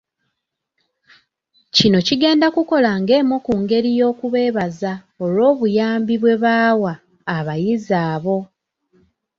Kino kigenda kukola ng'emu ku ngeri y'okubeebaza olw'obuyambi bwe bawa abayizi abo.